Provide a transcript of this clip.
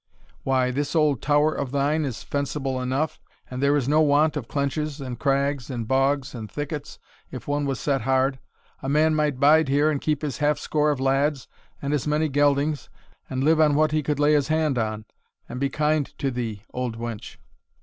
Why, this old tower of thine is fensible enough, and there is no want of clenchs, and crags, and bogs, and thickets, if one was set hard; a man might bide here and keep his half score of lads, and as many geldings, and live on what he could lay his hand on, and be kind to thee, old wench."